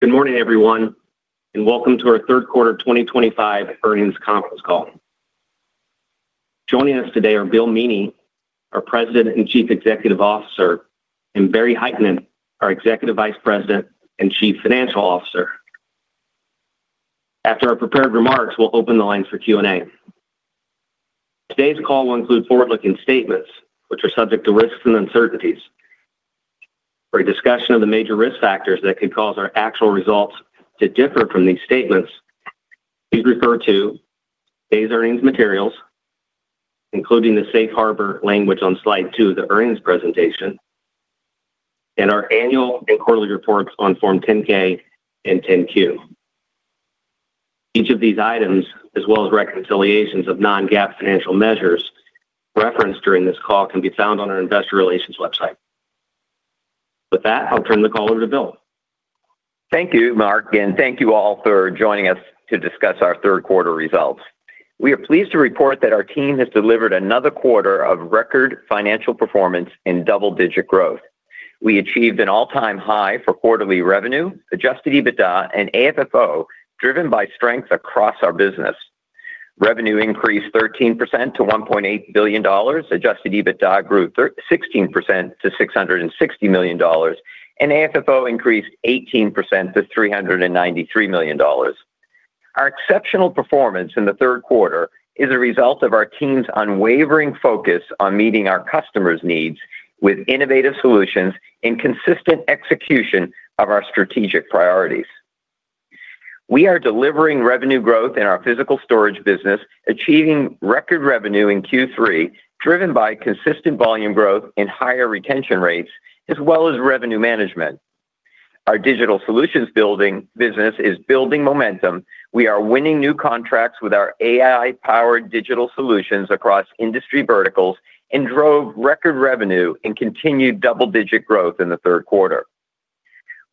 Good morning, everyone, and welcome to our Third Quarter 2025 earnings conference call. Joining us today are Bill Meaney, our President and Chief Executive Officer, and Barry Hytinen, our Executive Vice President and Chief Financial Officer. After our prepared remarks, we'll open the lines for Q&A. Today's call will include forward-looking statements, which are subject to risks and uncertainties. For a discussion of the major risk factors that could cause our actual results to differ from these statements, please refer to today's earnings materials, including the Safe Harbor language on slide two, the earnings presentation, and our annual and quarterly reports on Form 10-K and 10-Q. Each of these items, as well as reconciliations of non-GAAP financial measures referenced during this call, can be found on our Investor Relations website. With that, I'll turn the call over to Bill. Thank you, Mark, and thank you all for joining us to discuss our third quarter results. We are pleased to report that our team has delivered another quarter of record financial performance and double-digit growth. We achieved an all-time high for quarterly revenue, Adjusted EBITDA, and AFFO driven by strength across our business. Revenue increased 13% to $1.8 billion, Adjusted EBITDA grew 16% to $660 million, and AFFO increased 18% to $393 million. Our exceptional performance in the third quarter is a result of our team's unwavering focus on meeting our customers' needs with innovative solutions and consistent execution of our strategic priorities. We are delivering revenue growth in our physical storage business, achieving record revenue in Q3 driven by consistent volume growth and higher retention rates, as well as revenue management. Our digital solutions building business is building momentum. We are winning new contracts with our AI-powered digital solutions across industry verticals and drove record revenue and continued double-digit growth in the third quarter.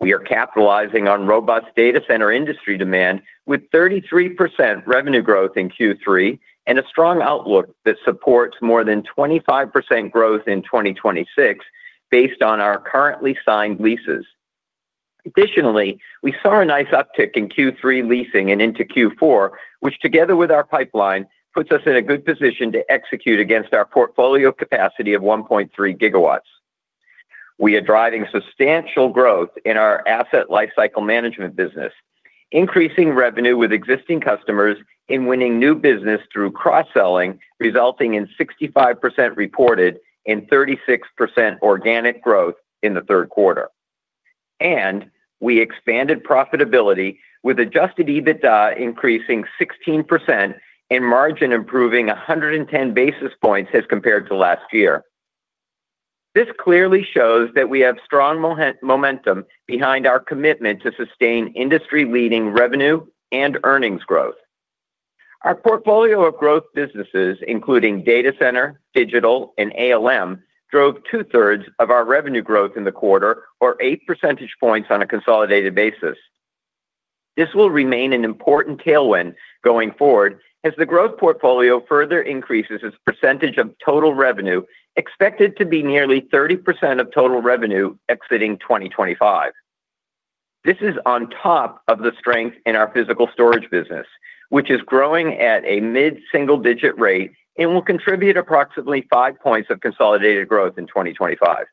We are capitalizing on robust data center industry demand with 33% revenue growth in Q3 and a strong outlook that supports more than 25% growth in 2026 based on our currently signed leases. Additionally, we saw a nice uptick in Q3 leasing and into Q4, which together with our pipeline puts us in a good position to execute against our portfolio capacity of 1.3 GW. We are driving substantial growth in our asset lifecycle management business, increasing revenue with existing customers and winning new business through cross-selling, resulting in 65% reported and 36% organic growth in the third quarter. We expanded profitability with Adjusted EBITDA increasing 16% and margin improving 110 basis points as compared to last year. This clearly shows that we have strong momentum behind our commitment to sustain industry-leading revenue and earnings growth. Our portfolio of growth businesses, including data center, digital, and ALM, drove 2/3 of our revenue growth in the quarter, or 8 percentage points on a consolidated basis. This will remain an important tailwind going forward as the growth portfolio further increases its percentage of total revenue, expected to be nearly 30% of total revenue exiting 2025. This is on top of the strength in our physical storage business, which is growing at a mid-single-digit rate and will contribute approximately five points of consolidated growth in 2025.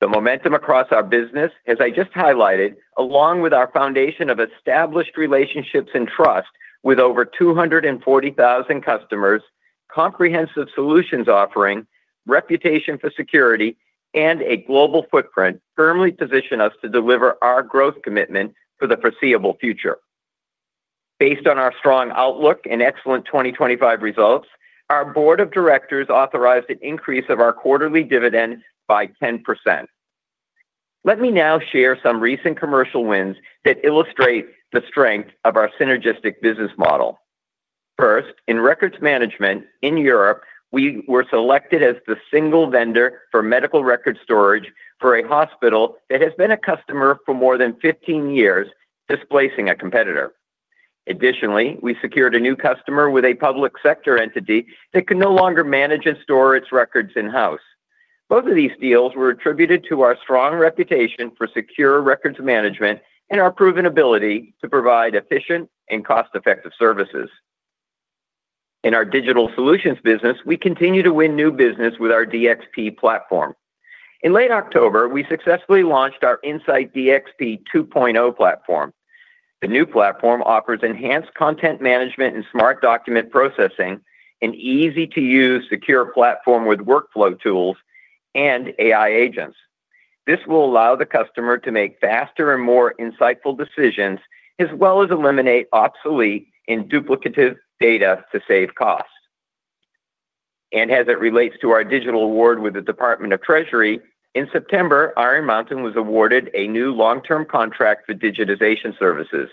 The momentum across our business, as I just highlighted, along with our foundation of established relationships and trust with over 240,000 customers, Comprehensive Solutions Offering, Reputation for Security, and a Global Footprint firmly position us to deliver our growth commitment for the foreseeable future. Based on our strong outlook and excellent 2025 results, our board of directors authorized an increase of our quarterly dividend by 10%. Let me now share some recent commercial wins that illustrate the strength of our synergistic business model. First, in Records Management in Europe, we were selected as the single vendor for medical record storage for a hospital that has been a customer for more than 15 years, displacing a competitor. Additionally, we secured a new customer with a public sector entity that could no longer manage and store its records in-house. Both of these deals were attributed to our strong reputation for secure records management and our proven ability to provide efficient and cost-effective services. In our Digital Solutions Business, we continue to win new business with our DXP platform. In late October, we successfully launched our Insight DXP 2.0 platform. The new platform offers enhanced Content Management and Smart Document Processing, an easy-to-use, secure platform with workflow tools and AI agents. This will allow the customer to make faster and more insightful decisions, as well as eliminate obsolete and duplicative data to save costs. As it relates to our digital award with the U.S. Department of the Treasury, in September, Iron Mountain was awarded a new long-term contract for Digitization services.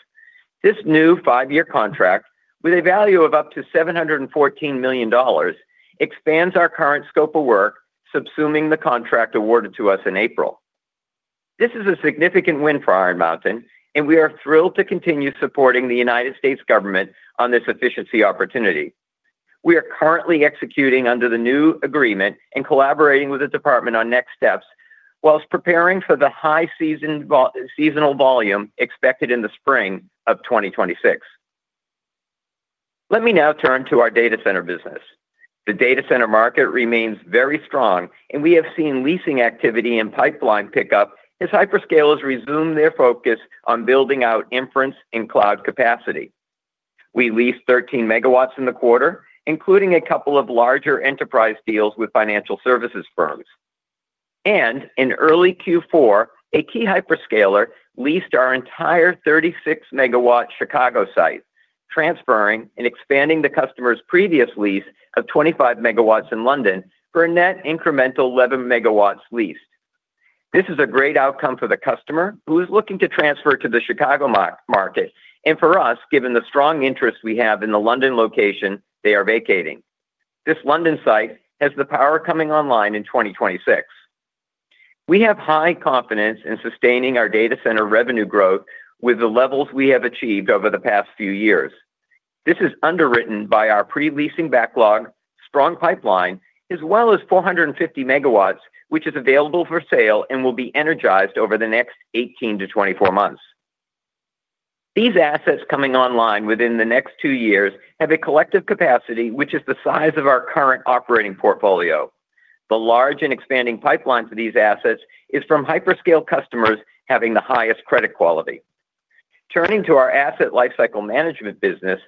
This new five-year contract, with a value of up to $714 million, expands our current scope of work, subsuming the contract awarded to us in April. This is a significant win for Iron Mountain, and we are thrilled to continue supporting the United States government on this efficiency opportunity. We are currently executing under the new agreement and collaborating with the department on next steps whilst preparing for the high seasonal volume expected in the spring of 2026. Let me now turn to our Data Center Business. The Data Center market remains very strong, and we have seen leasing activity and pipeline pickup as Hyperscale has resumed their focus on building out inference and cloud capacity. We leased 13 MW in the quarter, including a couple of larger enterprise deals with financial services firms. In early Q4, a key Hyperscaler leased our entire 36 MW Chicago site, transferring and expanding the customer's previous lease of 25 MW in London for a net incremental 11 megawatts leased. This is a great outcome for the customer who is looking to transfer to the Chicago market, and for us, given the strong interest we have in the London location they are vacating. This London site has the power coming online in 2026. We have high confidence in sustaining our Data Center Revenue Growth with the levels we have achieved over the past few years. This is underwritten by our pre-leasing backlog, strong pipeline, as well as 450 MW, which is available for sale and will be energized over the next 18 months-24 months. These assets coming online within the next two years have a collective capacity which is the size of our current operating portfolio. The large and expanding pipeline for these assets is from Hyperscale customers having the highest credit quality. Turning to our Asset Lifecycle Management business,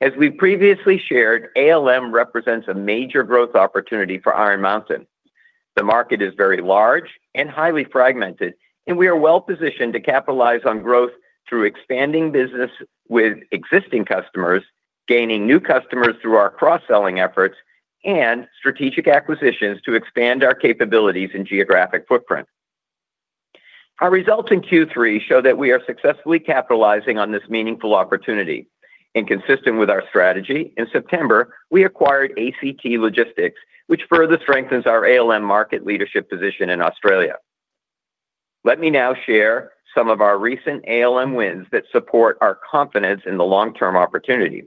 as we previously shared, ALM represents a major growth opportunity for Iron Mountain. The market is very large and highly fragmented, and we are well-positioned to capitalize on growth through expanding business with existing customers, gaining new customers through our cross-selling efforts, and strategic acquisitions to expand our capabilities and geographic footprint. Our results in Q3 show that we are successfully capitalizing on this meaningful opportunity. Consistent with our strategy, in September, we acquired ACT Logistics, which further strengthens our ALM Market Leadership position in Australia. Let me now share some of our recent ALM wins that support our confidence in the long-term opportunity.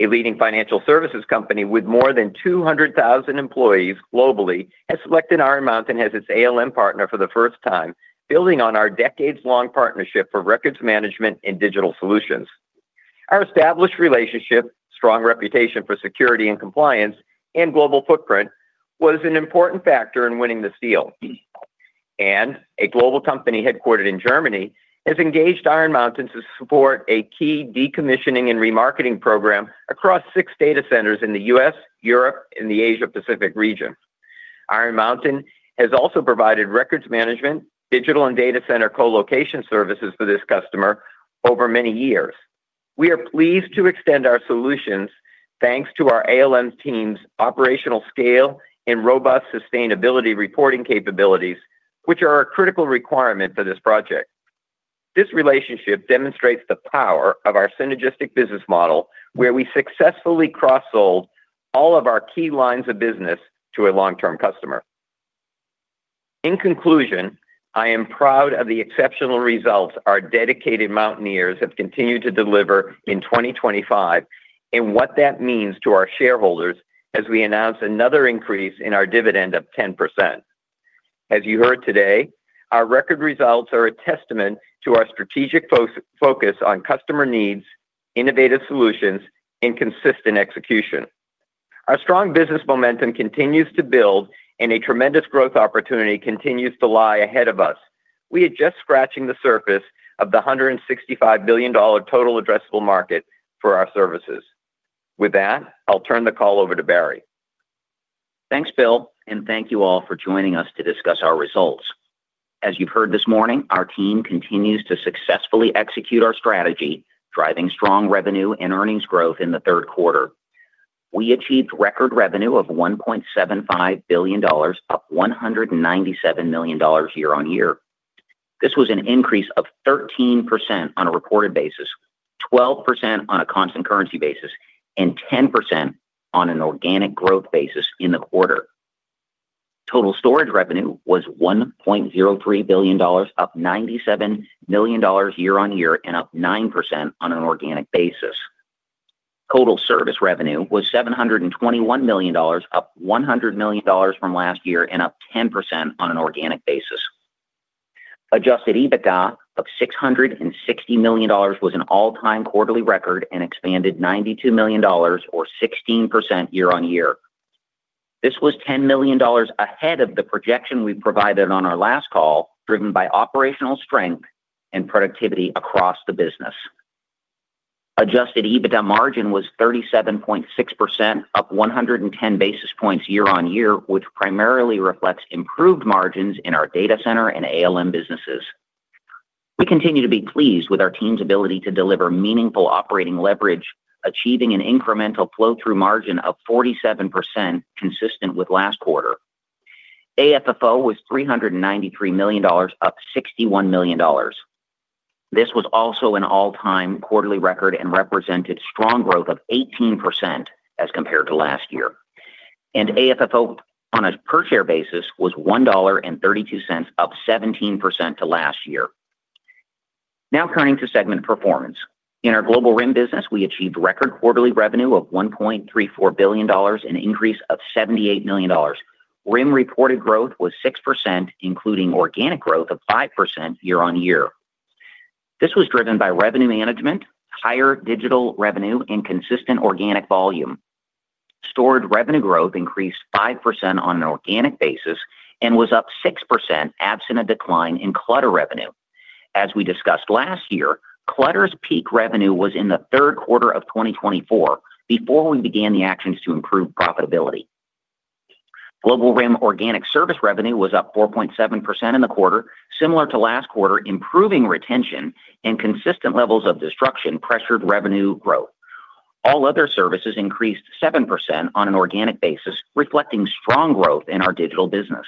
A leading financial services company with more than 200,000 employees globally has selected Iron Mountain as its ALM partner for the first time, building on our decades-long partnership for records management and digital solutions. Our established relationship, strong reputation for security and compliance, and global footprint was an important factor in winning this deal. A global company headquartered in Germany has engaged Iron Mountain to support a key decommissioning and remarketing program across six data centers in the U.S., Europe, and the Asia-Pacific region. Iron Mountain has also provided Records Management, Digital, and Data Center Co-location services for this customer over many years. We are pleased to extend our solutions thanks to our ALM team's operational scale and robust sustainability reporting capabilities, which are a critical requirement for this project. This relationship demonstrates the power of our Synergistic Business Model, where we successfully cross-sold all of our key lines of business to a long-term customer. In conclusion, I am proud of the exceptional results our dedicated mountaineers have continued to deliver in 2025 and what that means to our shareholders as we announce another increase in our dividend of 10%. As you heard today, our record results are a testament to our strategic focus on customer needs, innovative solutions, and consistent execution. Our strong business momentum continues to build, and a tremendous growth opportunity continues to lie ahead of us. We are just scratching the surface of the $165 billion total addressable market for our services. With that, I'll turn the call over to Barry. Thanks, Bill, and thank you all for joining us to discuss our results. As you've heard this morning, our team continues to successfully execute our strategy, driving strong revenue and earnings growth in the third quarter. We achieved record revenue of $1.75 billion, up $197 million year-on-year. This was an increase of 13% on a reported basis, 12% on a constant currency basis, and 10% on an organic growth basis in the quarter. Total storage revenue was $1.03 billion, up $97 million year-on-year, and up 9% on an organic basis. Total service revenue was $721 million, up $100 million from last year, and up 10% on an organic basis. Adjusted EBITDA of $660 million was an all-time quarterly record and expanded $92 million, or 16% year-on-year. This was $10 million ahead of the projection we provided on our last call, driven by operational strength and productivity across the business. Adjusted EBITDA margin was 37.6%, up 110 basis points year-on-year, which primarily reflects improved margins in our Data Center and ALM businesses. We continue to be pleased with our team's ability to deliver meaningful operating leverage, achieving an incremental flow-through margin of 47%, consistent with last quarter. AFFO was $393 million, up $61 million. This was also an all-time quarterly record and represented strong growth of 18% as compared to last year. AFFO on a per-share basis was $1.32, up 17% to last year. Now turning to segment performance. In our global RIM business, we achieved record quarterly revenue of $1.34 billion, an increase of $78 million. RIM reported growth was 6%, including organic growth of 5% year-on-year. This was driven by Revenue Management, higher Digital Revenue, and consistent Organic Volume. Stored revenue growth increased 5% on an organic basis and was up 6%, absent a decline in Clutter revenue. As we discussed last year, Clutter's peak revenue was in the third quarter of 2024 before we began the actions to improve profitability. Global RIM organic service revenue was up 4.7% in the quarter, similar to last quarter, improving retention and consistent levels of destruction pressured revenue growth. All other services increased 7% on an organic basis, reflecting strong growth in our digital business.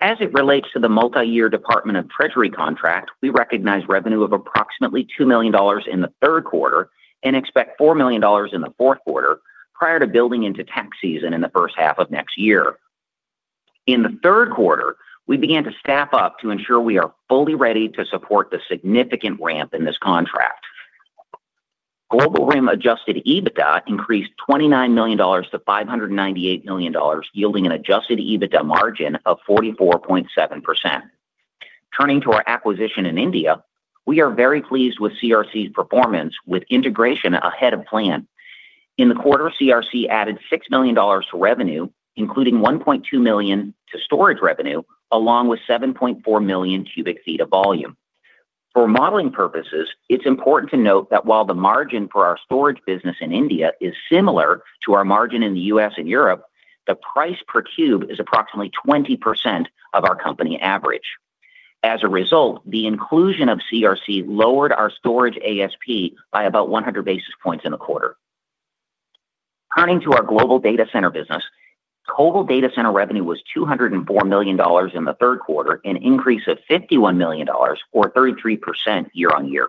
As it relates to the multi-year Department of the Treasury contract, we recognize revenue of approximately $2 million in the third quarter and expect $4 million in the fourth quarter prior to building into tax season in the first half of next year. In the third quarter, we began to staff up to ensure we are fully ready to support the significant ramp in this contract. Global RIM Adjusted EBITDA increased $29 million to $598 million, yielding an Adjusted EBITDA margin of 44.7%. Turning to our acquisition in India, we are very pleased with CRC's performance with integration ahead of plan. In the quarter, CRC added $6 million to revenue, including $1.2 million to storage revenue, along with 7.4 million cu ft of volume. For modeling purposes, it is important to note that while the margin for our storage business in India is similar to our margin in the U.S. and Europe, the price per cube is approximately 20% of our company average. As a result, the inclusion of CRC lowered our storage ASP by about 100 basis points in the quarter. Turning to our Global Data Center business, total data center revenue was $204 million in the third quarter, an increase of $51 million, or 33% year-on-year.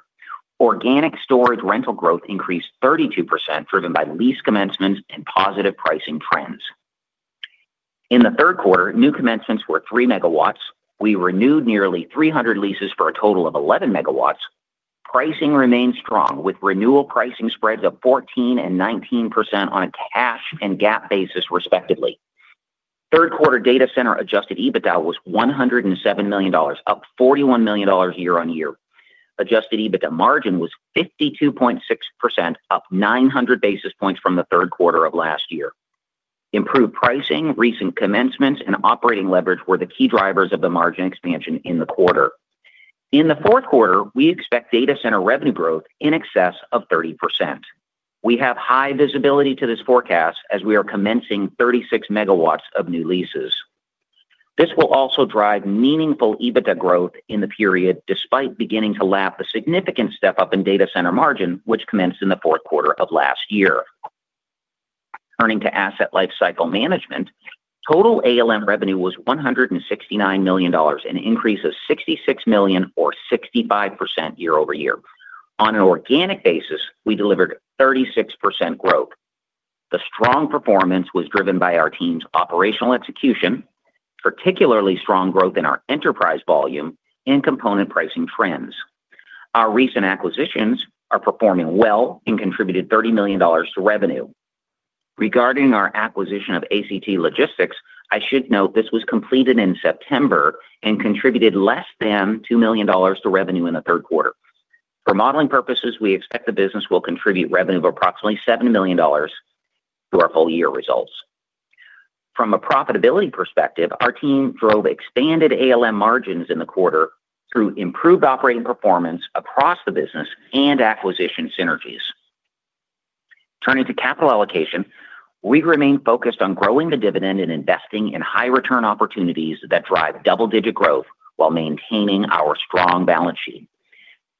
Organic storage rental growth increased 32%, driven by lease commencements and positive pricing trends. In the third quarter, new commencements were 3 MW. We renewed nearly 300 leases for a total of 11 MW. Pricing remained strong with renewal pricing spreads of 14% and 19% on a cash and GAAP basis, respectively. Third-quarter data center Adjusted EBITDA was $107 million, up $41 million year-on-year. Adjusted EBITDA margin was 52.6%, up 900 basis points from the third quarter of last year. Improved pricing, recent commencements, and operating leverage were the key drivers of the margin expansion in the quarter. In the fourth quarter, we expect data center revenue growth in excess of 30%. We have high visibility to this forecast as we are commencing 36 MW of new leases. This will also drive meaningful EBITDA growth in the period despite beginning to lap the significant step-up in data center margin, which commenced in the fourth quarter of last year. Turning to Asset Lifecycle Management, total ALM revenue was $169 million, an increase of $66 million, or 65% year-over-year. On an organic basis, we delivered 36% growth. The strong performance was driven by our team's operational execution, particularly strong growth in our enterprise volume and component pricing trends. Our recent acquisitions are performing well and contributed $30 million to revenue. Regarding our acquisition of ACT Logistics, I should note this was completed in September and contributed less than $2 million to revenue in the third quarter. For modeling purposes, we expect the business will contribute revenue of approximately $7 million to our full-year results. From a profitability perspective, our team drove expanded ALM margins in the quarter through improved operating performance across the business and acquisition synergies. Turning to capital allocation, we remain focused on growing the dividend and investing in high-return opportunities that drive double-digit growth while maintaining our strong balance sheet.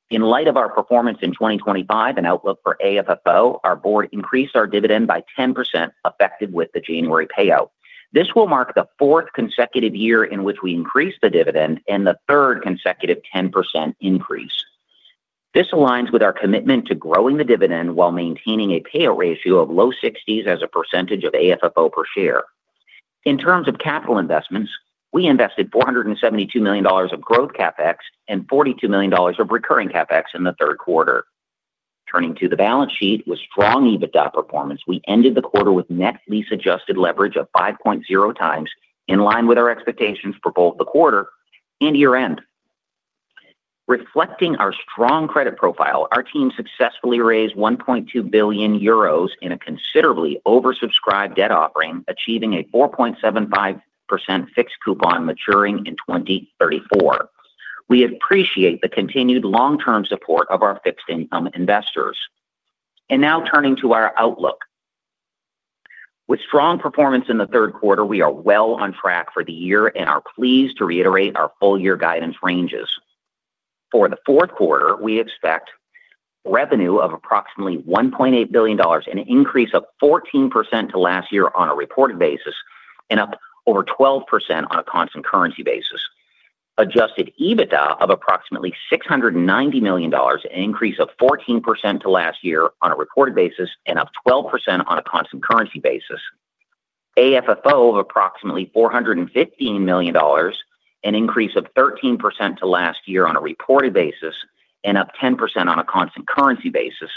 In light of our performance in 2025 and outlook for AFFO, our board increased our dividend by 10%, effective with the January payout. This will mark the fourth consecutive year in which we increased the dividend and the third consecutive 10% increase. This aligns with our commitment to growing the dividend while maintaining a payout ratio of low 60s as a percentage of AFFO per share. In terms of capital investments, we invested $472 million of growth CapEx and $42 million of recurring CapEx in the third quarter. Turning to the balance sheet, with strong EBITDA performance, we ended the quarter with net lease-Adjusted leverage of 5.0x, in line with our expectations for both the quarter and year-end. Reflecting our strong credit profile, our team successfully raised 1.2 billion euros in a considerably oversubscribed debt offering, achieving a 4.75% fixed coupon maturing in 2034. We appreciate the continued long-term support of our fixed-income investors. Now turning to our outlook. With strong performance in the third quarter, we are well on track for the year and are pleased to reiterate our full-year guidance ranges. For the fourth quarter, we expect revenue of approximately $1.8 billion, an increase of 14% to last year on a reported basis, and up over 12% on a constant currency basis. Adjusted EBITDA of approximately $690 million, an increase of 14% to last year on a reported basis, and up 12% on a constant currency basis. AFFO of approximately $415 million, an increase of 13% to last year on a reported basis, and up 10% on a constant currency basis.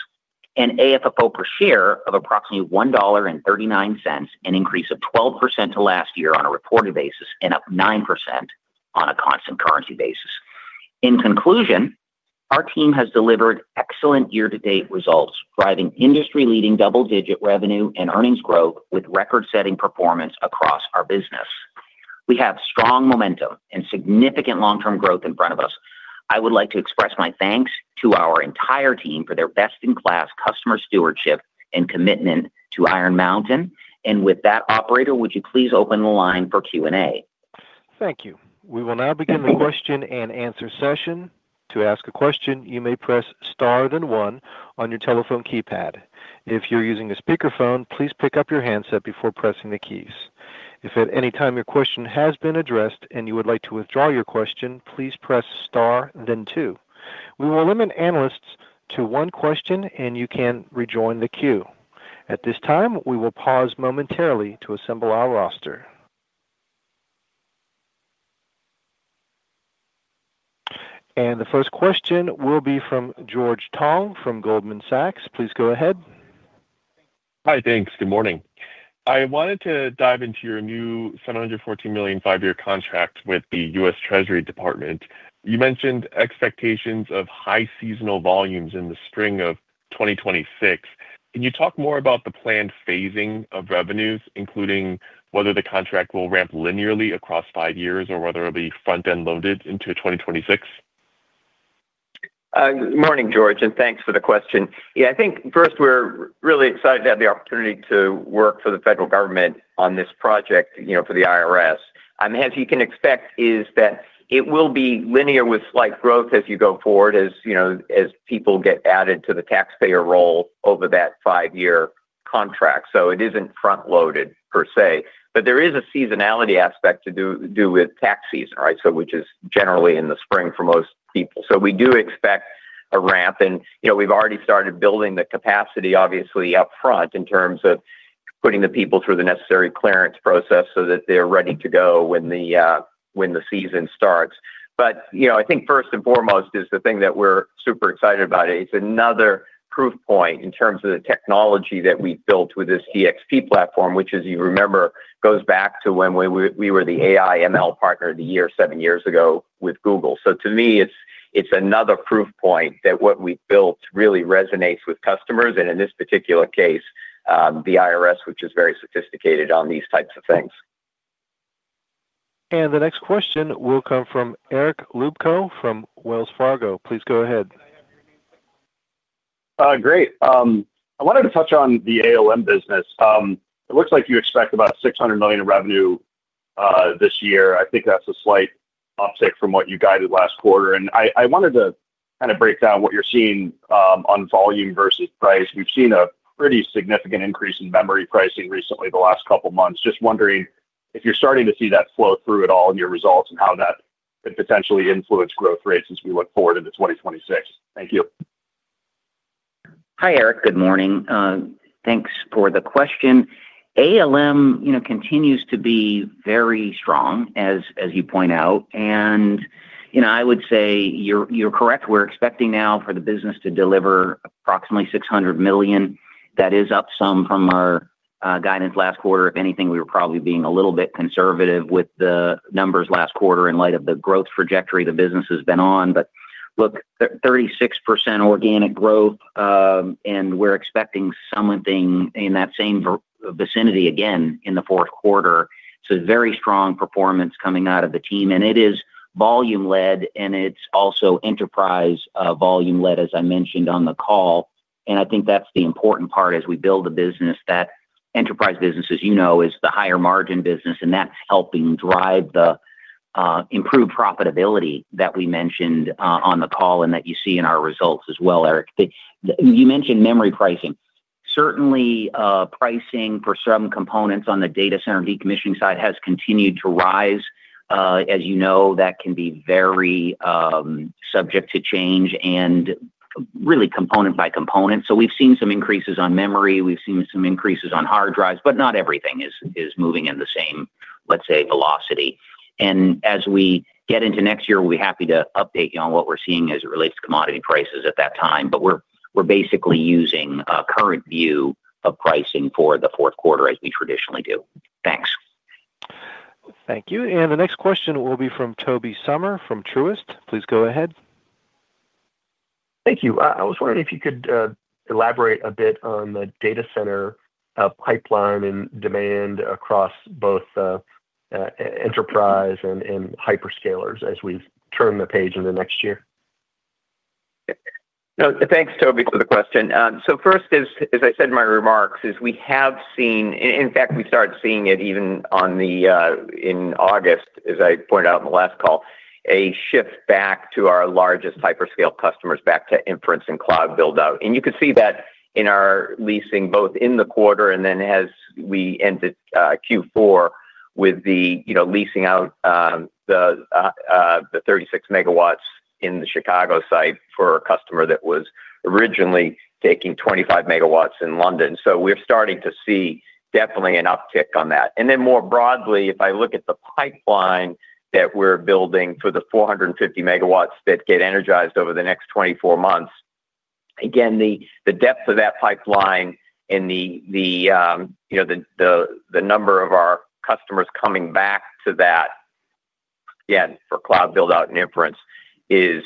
AFFO per share of approximately $1.39, an increase of 12% to last year on a reported basis, and up 9% on a constant currency basis. In conclusion, our team has delivered excellent year-to-date results, driving industry-leading double-digit revenue and earnings growth with record-setting performance across our business. We have strong momentum and significant long-term growth in front of us. I would like to express my thanks to our entire team for their best-in-class customer stewardship and commitment to Iron Mountain. With that, Operator, would you please open the line for Q&A? Thank you. We will now begin the question and answer session. To ask a question, you may press star then one on your telephone keypad. If you're using a speakerphone, please pick up your handset before pressing the keys. If at any time your question has been addressed and you would like to withdraw your question, please press star then two. We will limit analysts to one question, and you can rejoin the queue. At this time, we will pause momentarily to assemble our roster. The first question will be from George Tong from Goldman Sachs. Please go ahead. Hi, thanks. Good morning. I wanted to dive into your new $714 million five-year contract with the U.S. Department of the Treasury. You mentioned expectations of high seasonal volumes in the spring of 2026. Can you talk more about the planned phasing of revenues, including whether the contract will ramp linearly across five years or whether it'll be front-end loaded into 2026? Good morning, George, and thanks for the question. Yeah, I think first we're really excited to have the opportunity to work for the federal government on this project for the IRS. As you can expect, it will be linear with slight growth as you go forward as people get added to the taxpayer roll over that five-year contract. It isn't front-loaded per se, but there is a seasonality aspect to do with tax season, which is generally in the spring for most people. We do expect a ramp, and we've already started building the capacity, obviously, upfront in terms of putting the people through the necessary clearance process so that they're ready to go when the season starts. I think first and foremost is the thing that we're super excited about. It's another proof point in terms of the technology that we've built with this DXP platform, which, as you remember, goes back to when we were the AI/ML partner of the year seven years ago with Google. To me, it's another proof point that what we've built really resonates with customers, and in this particular case, the IRS, which is very sophisticated on these types of things. The next question will come from Eric Luebchow from Wells Fargo. Please go ahead. Great. I wanted to touch on the ALM business. It looks like you expect about $600 million in revenue this year. I think that's a slight uptick from what you guided last quarter. I wanted to kind of break down what you're seeing on volume versus price. We've seen a pretty significant increase in memory pricing recently the last couple of months. Just wondering if you're starting to see that flow through at all in your results and how that could potentially influence growth rates as we look forward into 2026. Thank you. Hi, Eric. Good morning. Thanks for the question. ALM continues to be very strong, as you point out. I would say you're correct. We're expecting now for the business to deliver approximately $600 million. That is up some from our guidance last quarter. If anything, we were probably being a little bit conservative with the numbers last quarter in light of the growth trajectory the business has been on. Look, 36% organic growth. We're expecting something in that same vicinity again in the fourth quarter. Very strong performance coming out of the team. It is volume-led, and it's also enterprise volume-led, as I mentioned on the call. I think that's the important part as we build the business. That enterprise business, as you know, is the higher-margin business, and that's helping drive the. Improved profitability that we mentioned on the call and that you see in our results as well, Eric. You mentioned memory pricing. Certainly, pricing for some components on the data center and decommissioning side has continued to rise. As you know, that can be very subject to change and really component by component. We have seen some increases on memory. We have seen some increases on hard drives, but not everything is moving in the same, let's say, velocity. As we get into next year, we will be happy to update you on what we are seeing as it relates to commodity prices at that time. We are basically using a current view of pricing for the fourth quarter as we traditionally do. Thanks. Thank you. The next question will be from Tobey Sommer from Truist. Please go ahead. Thank you. I was wondering if you could elaborate a bit on the data center pipeline and demand across both enterprise and hyperscalers as we turn the page into next year. Thanks, Tobey, for the question. First, as I said in my remarks, we have seen, and in fact, we started seeing it even in August, as I pointed out in the last call, a shift back to our largest hyperscale customers, back to inference and cloud buildout. You could see that in our leasing both in the quarter and then as we ended Q4 with the leasing out. The 36 MW in the Chicago site for a customer that was originally taking 25 MW in London. We are starting to see definitely an uptick on that. More broadly, if I look at the pipeline that we are building for the 450 MW that get energized over the next 24 months, again, the depth of that pipeline and the number of our customers coming back to that. Again, for cloud buildout and inference is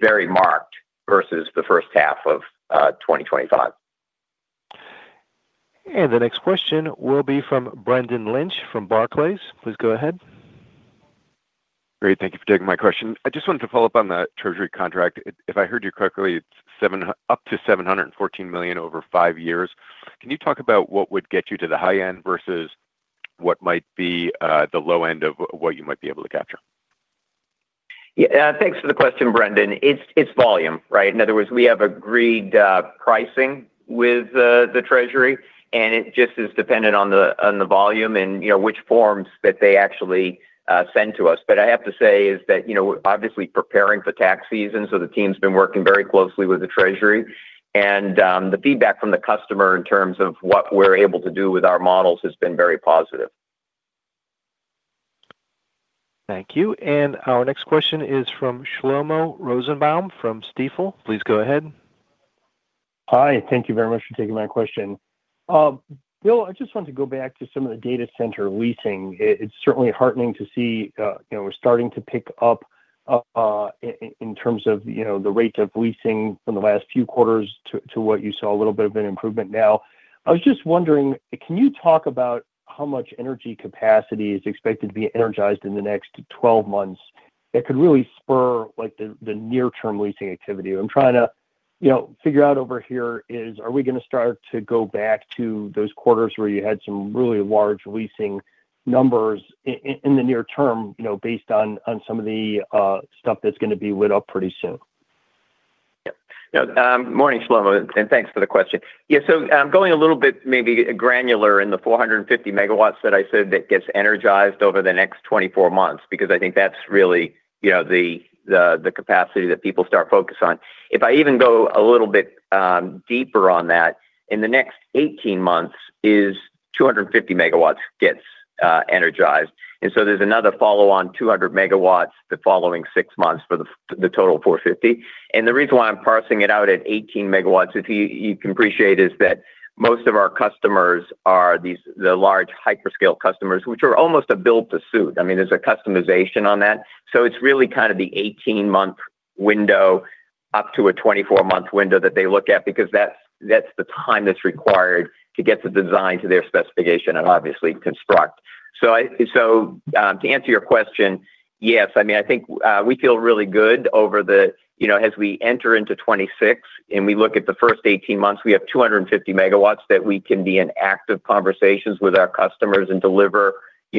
very marked vs the first half of 2025. The next question will be from Brendan Lynch from Barclays. Please go ahead. Great. Thank you for taking my question. I just wanted to follow up on the Treasury contract. If I heard you correctly, it's up to $714 million over five years. Can you talk about what would get you to the high-end vs what might be the low-end of what you might be able to capture? Thanks for the question, Brendan. It's volume, right? In other words, we have agreed pricing with the Treasury, and it just is dependent on the volume and which forms that they actually send to us. What I have to say is that obviously preparing for tax season, the team's been working very closely with the Treasury. The feedback from the customer in terms of what we're able to do with our models has been very positive. Thank you. Our next question is from Shlomo Rosenbaum from Stifel. Please go ahead. Hi. Thank you very much for taking my question. Bill, I just wanted to go back to some of the data center leasing. It's certainly heartening to see we're starting to pick up. In terms of the rate of leasing from the last few quarters to what you saw, a little bit of an improvement now. I was just wondering, can you talk about how much energy capacity is expected to be energized in the next 12 months that could really spur the near-term leasing activity? What I'm trying to figure out over here is, are we going to start to go back to those quarters where you had some really large leasing numbers in the near term based on some of the stuff that's going to be lit up pretty soon? Yeah. Good morning, Shlomo. And thanks for the question. Yeah. So I'm going a little bit maybe granular in the 450 megawatts that I said that gets energized over the next 24 months because I think that's really the capacity that people start focusing on. If I even go a little bit deeper on that, in the next 18 months, 250 MW gets energized. And so there's another follow-on 200 MW the following six months for the total 450. The reason why I'm parsing it out at 18 MW, if you can appreciate, is that most of our customers are the large hyperscale customers, which are almost a build-to-suit. I mean, there's a customization on that. It's really kind of the 18-month window up to a 24-month window that they look at because that's the time that's required to get the design to their specification and obviously construct. To answer your question, yes. I mean, I think we feel really good over the as we enter into 2026 and we look at the first 18 months, we have 250 MW that we can be in active conversations with our customers and deliver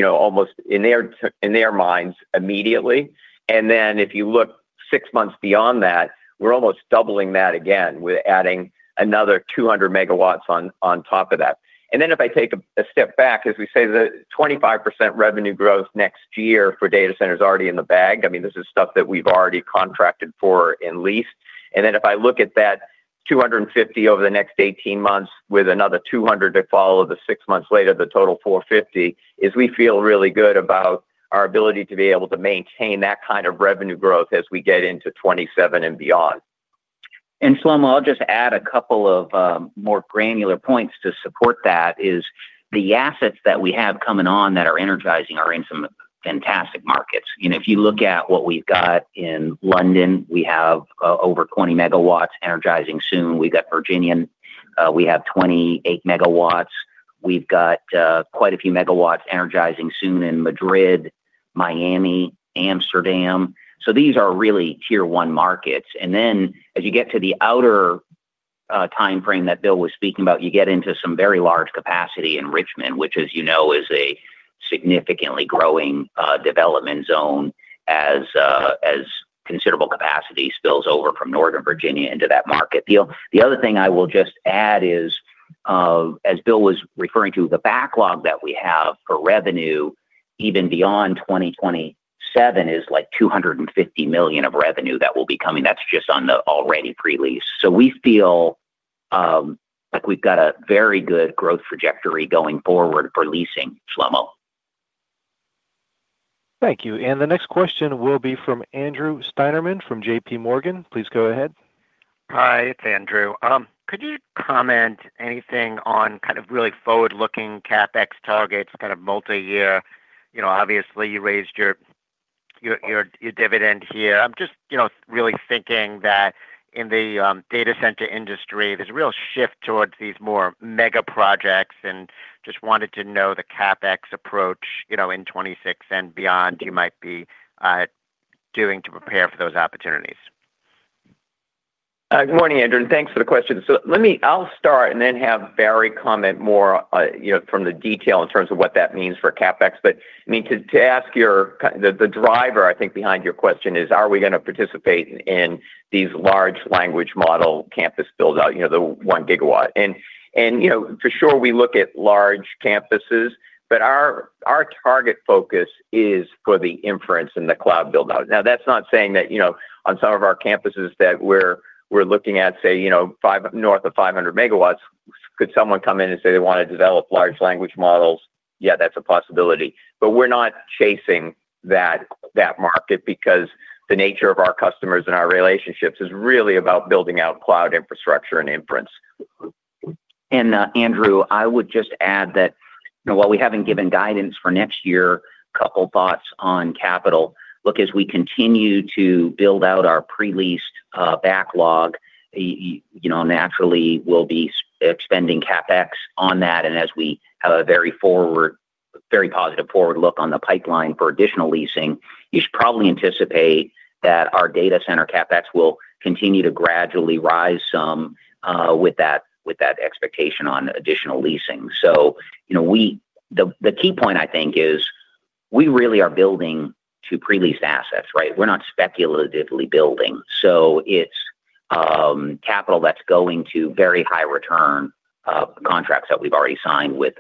almost in their minds immediately. And then if you look six months beyond that, we're almost doubling that again with adding another 200 MW on top of that. If I take a step back, as we say, the 25% revenue growth next year for data centers is already in the bag. I mean, this is stuff that we've already contracted for and leased. If I look at that 250 over the next 18 months with another 200 to follow the six months later, the total 450, we feel really good about our ability to be able to maintain that kind of revenue growth as we get into 2027 and beyond. Shlomo, I'll just add a couple of more granular points to support that. The assets that we have coming on that are energizing are in some fantastic markets. If you look at what we've got in London, we have over 20 MW energizing soon. We've got Virginia. We have 28 MW. We've got quite a few megawatts energizing soon in Madrid, Miami, Amsterdam. These are really tier-one markets. As you get to the outer timeframe that Bill was speaking about, you get into some very large capacity in Richmond, which, as you know, is a significantly growing development zone as considerable capacity spills over from Northern Virginia into that market. The other thing I will just add is, as Bill was referring to, the backlog that we have for revenue even beyond 2027 is like $250 million of revenue that will be coming. That's just on the already pre-lease. So we feel like we've got a very good growth trajectory going forward for leasing, Shlomo. Thank you. The next question will be from Andrew Steinerman from JPMorgan. Please go ahead. Hi, it's Andrew. Could you comment anything on kind of really forward-looking CapEx targets, kind of multi-year? Obviously, you raised your dividend here. I'm just really thinking that in the data center industry, there's a real shift towards these more mega projects and just wanted to know the CapEx approach in 2026 and beyond you might be doing to prepare for those opportunities. Good morning, Andrew. Thanks for the question. I'll start and then have Barry comment more from the detail in terms of what that means for CapEx. I mean, to ask your the driver, I think, behind your question is, are we going to participate in these Large Language Model campus buildout, the 1 GW? For sure, we look at large campuses, but our target focus is for the inference and the cloud buildout. That's not saying that on some of our campuses that we're looking at, say, north of 500 MW, could someone come in and say they want to develop Large Language Models? Yeah, that's a possibility. We're not chasing that market because the nature of our customers and our relationships is really about building out cloud infrastructure and inference. Andrew, I would just add that while we haven't given guidance for next year, a couple of thoughts on capital. Look, as we continue to build out our pre-leased backlog, naturally, we'll be expending CapEx on that. As we have a very positive forward look on the pipeline for additional leasing, you should probably anticipate that our data center CapEx will continue to gradually rise some with that expectation on additional leasing. The key point, I think, is we really are building to pre-leased assets, right? We're not speculatively building. It's capital that's going to very high-return contracts that we've already signed with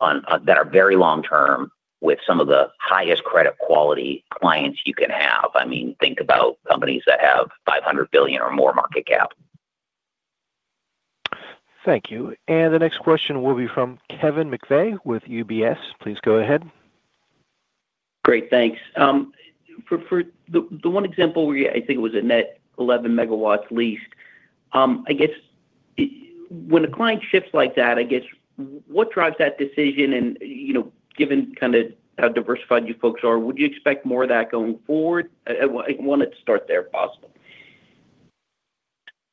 that are very long-term with some of the highest credit quality clients you can have. I mean, think about companies that have $500 billion or more market cap. Thank you. The next question will be from Kevin McVeigh with UBS. Please go ahead. Great. Thanks. For the one example, I think it was a net 11 MW leased. I guess. When a client shifts like that, I guess, what drives that decision? And given kind of how diversified you folks are, would you expect more of that going forward? I wanted to start there, if possible.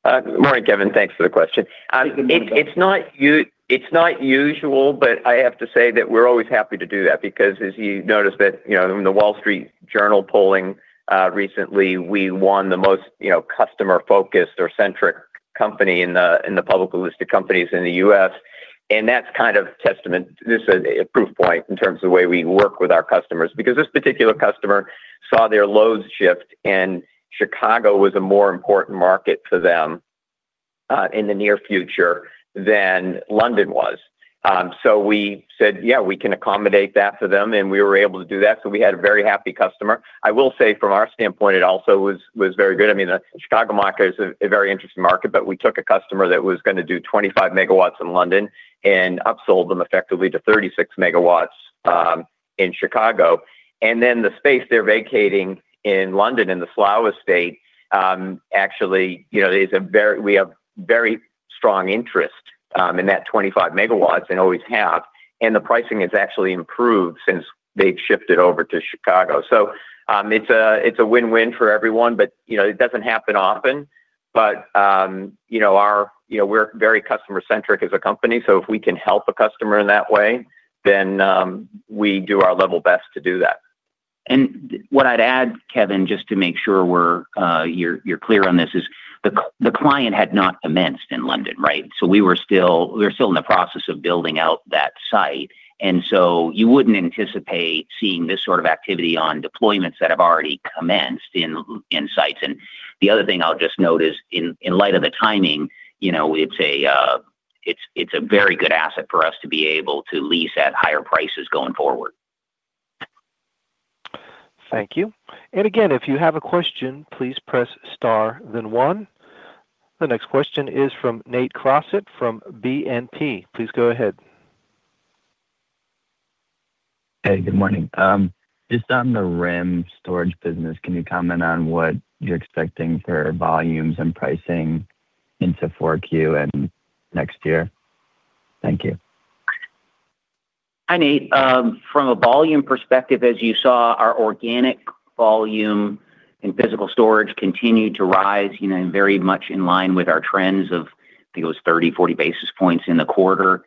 Good morning, Kevin. Thanks for the question. Good morning. It's not usual, but I have to say that we're always happy to do that because, as you noticed in the Wall Street Journal polling recently, we won the most customer-focused or centric company in the publicly listed companies in the U.S. That's kind of a testament, a proof point in terms of the way we work with our customers because this particular customer saw their loads shift, and Chicago was a more important market for them in the near future than London was. We said, "Yeah, we can accommodate that for them." We were able to do that. We had a very happy customer. I will say, from our standpoint, it also was very good. I mean, the Chicago market is a very interesting market, but we took a customer that was going to do 25 MW in London and upsold them effectively to 36 MW in Chicago. And then the space they're vacating in London in the Slough estate, actually, we have very strong interest in that 25 MW and always have. The pricing has actually improved since they've shifted over to Chicago. It is a win-win for everyone, but it does not happen often. We are very customer-centric as a company. If we can help a customer in that way, then we do our level best to do that. What I'd add, Kevin, just to make sure you're clear on this, is the client had not commenced in London, right? We were still in the process of building out that site. You would not anticipate seeing this sort of activity on deployments that have already commenced in sites. The other thing I'll just note is, in light of the timing, it is a very good asset for us to be able to lease at higher prices going forward. Thank you. If you have a question, please press star, then one. The next question is from Nate Crossett from BNP. Please go ahead. Hey, good morning. Just on the RIM storage business, can you comment on what you're expecting for volumes and pricing into Q4 and next year? Thank you. Hi, Nate. From a volume perspective, as you saw, our organic volume in physical storage continued to rise very much in line with our trends of, I think it was 30-40 basis points in the quarter.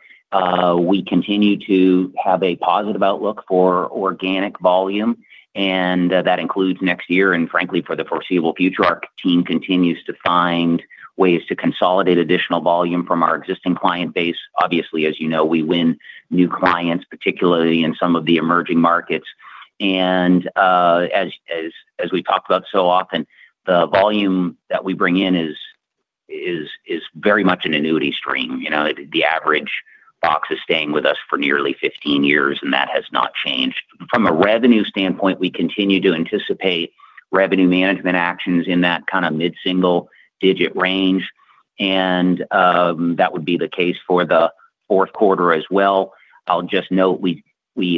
We continue to have a positive outlook for organic volume. That includes next year. Frankly, for the foreseeable future, our team continues to find ways to consolidate additional volume from our existing client base. Obviously, as you know, we win new clients, particularly in some of the emerging markets. As we've talked about so often, the volume that we bring in is very much an annuity stream. The average box is staying with us for nearly 15 years, and that has not changed. From a revenue standpoint, we continue to anticipate revenue management actions in that kind of mid-single-digit range. That would be the case for the fourth quarter as well. I'll just note we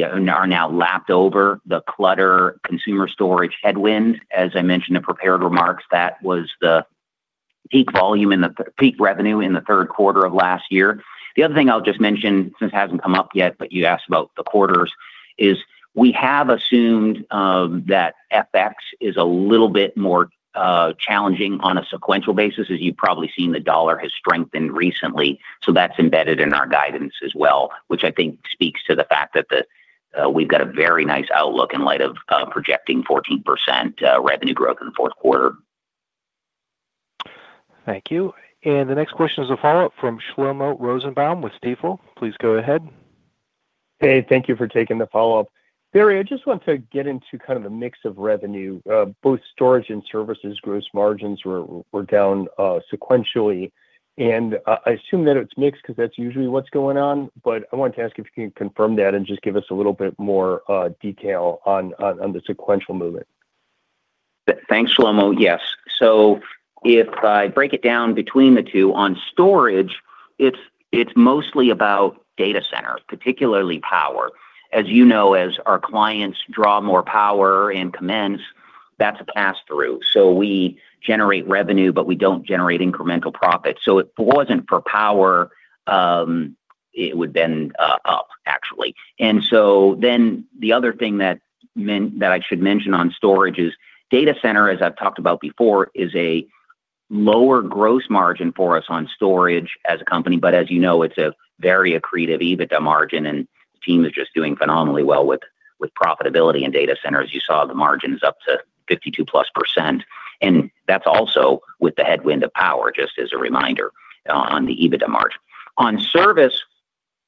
are now lapped over the Clutter consumer storage headwind. As I mentioned in prepared remarks, that was the peak volume and the peak revenue in the third quarter of last year. The other thing I'll just mention, since it hasn't come up yet, but you asked about the quarters, is we have assumed that FX is a little bit more challenging on a sequential basis, as you've probably seen the dollar has strengthened recently. That's embedded in our guidance as well, which I think speaks to the fact that we've got a very nice outlook in light of projecting 14% revenue growth in the fourth quarter. Thank you. The next question is a follow-up from Shlomo Rosenbaum with Stifel. Please go ahead. Hey, thank you for taking the follow-up. Barry, I just want to get into kind of a mix of revenue. Both storage and services gross margins were down sequentially. I assume that it's mixed because that's usually what's going on. I wanted to ask if you can confirm that and just give us a little bit more detail on the sequential movement. Thanks, Shlomo. Yes. If I break it down between the two, on storage, it is mostly about data center, particularly power. As you know, as our clients draw more power and commence, that is a pass-through. We generate revenue, but we do not generate incremental profit. If it was not for power, it would have been up, actually. The other thing that I should mention on storage is data center, as I have talked about before, is a lower gross margin for us on storage as a company. As you know, it is a very accretive EBITDA margin, and the team is just doing phenomenally well with profitability in data centers. You saw the margins up to 52+%. That is also with the headwind of power, just as a reminder on the EBITDA margin. On service,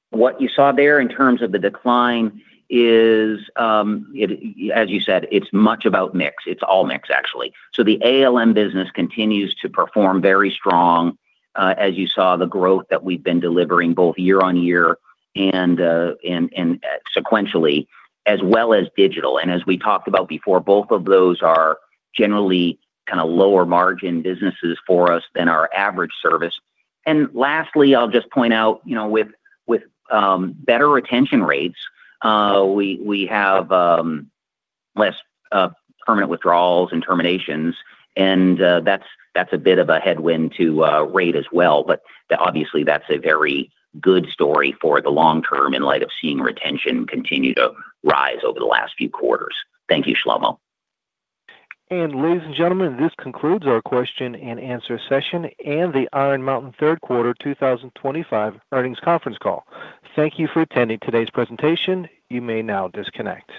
what you saw there in terms of the decline is. As you said, it's much about mix. It's all mix, actually. So the ALM business continues to perform very strong. As you saw, the growth that we've been delivering both year-on-year and sequentially, as well as digital. And as we talked about before, both of those are generally kind of lower-margin businesses for us than our average service. Lastly, I'll just point out with better retention rates. We have less permanent withdrawals and terminations. That's a bit of a headwind to rate as well. Obviously, that's a very good story for the long term in light of seeing retention continue to rise over the last few quarters. Thank you, Shlomo. Ladies and gentlemen, this concludes our question and answer session and the Iron Mountain Third Quarter 2025 earnings conference call. Thank you for attending today's presentation. You may now disconnect.